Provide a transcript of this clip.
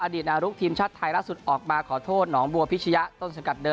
ดีตนารุกทีมชาติไทยล่าสุดออกมาขอโทษหนองบัวพิชยะต้นสังกัดเดิ